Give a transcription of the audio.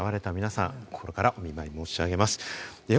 被害に遭われた皆さん、心からお見舞い申し上げます。